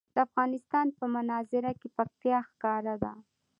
د افغانستان په منظره کې پکتیکا ښکاره ده.